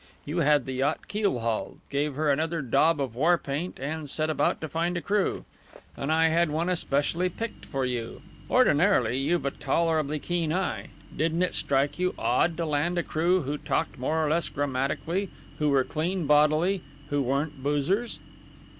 You had the yacht keelhauled, gave her another daub of war paint and set about to find a crew. And I had one especially picked for you! Ordinarily, you've a tolerably keen eye. Didn't it strike you odd to land a crew who talked more or less grammatically, who were clean bodily, who weren't boozers?"